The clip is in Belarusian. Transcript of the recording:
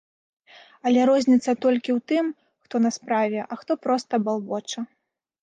Але розніца толькі ў тым, хто на справе, а хто проста балбоча.